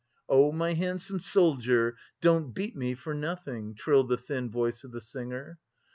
"Oh, my handsome soldier Don't beat me for nothing," trilled the thin voice of the singer.